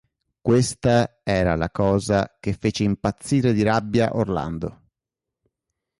Questa era la cosa che fece impazzire di rabbia Orlando.